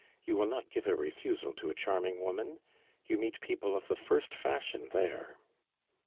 You will not give a refusal to a charming woman? You meet people of the first fashion there."